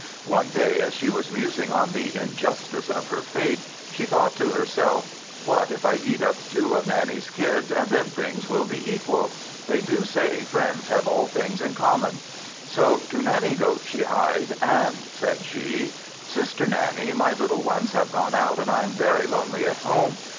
One day, as she was musing on the injustice of her fate, she thought to herself, "What if I eat up two of Nanny's kids, and then things will be equal? They do say, friends have all things in common." So to Nanny goat she hied, and said she "Sister Nanny, my little ones have gone out, and I am very lonely at home.